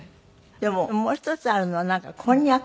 でももう一つあるのはなんかこんにゃく。